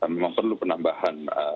memang perlu penambahan